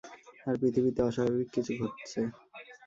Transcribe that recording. আর পৃথিবীতে অস্বাভাবিক কিছু ঘটছে।